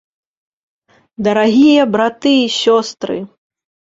Дарагія браты і сёстры!